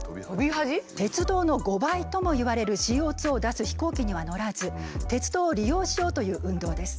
鉄道の５倍ともいわれるＣＯを出す飛行機には乗らず鉄道を利用しようという運動です。